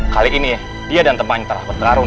kali ini dia dan teman terlah bertarung